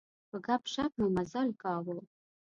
په ګپ شپ مو مزال کاوه.